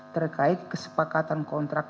terkait kesepakatan kontrak